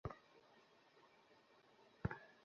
তবে, বোর্ডিং স্কুলে ও আমার বন্ধু হয়ে যায়।